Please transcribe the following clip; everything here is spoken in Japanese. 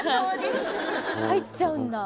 入っちゃうんだ。